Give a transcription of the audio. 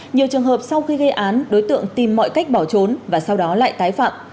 nhiều trường hợp sau khi gây án đối tượng tìm mọi cách bỏ trốn và sau đó lại tái phạm